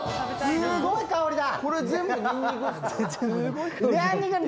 すごい香りだ。